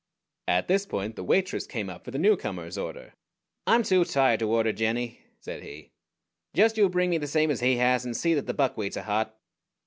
_" At this point the waitress came up for the newcomer's order. "I'm too tired to order, Jennie," said he. "Just you bring me the same as he has, and see that the buckwheats are hot."